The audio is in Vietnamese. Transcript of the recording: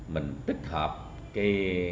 mình tích hợp cái